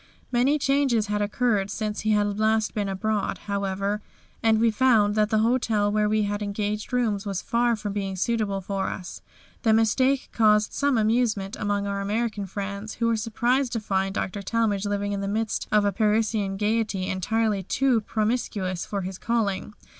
Many changes had occurred since he had last been abroad, however, and we found that the hotel where we had engaged rooms was far from being suitable for us. The mistake caused some amusement among our American friends, who were surprised to find Dr. Talmage living in the midst of a Parisian gaiety entirely too promiscuous for his calling.